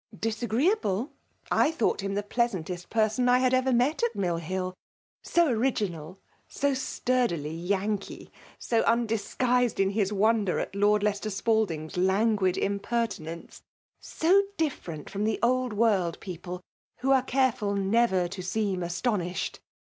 *<< Disagreeable ? I thought him the plea > santest p^^on L had ever met at Mill Hill ; so original ; so sturdily Yankee ; so xindisguiscd in' hiB wonder at Lord Leicester Spalding's languid impertinence; so different from the *old world people, who are careful never to seem astonished!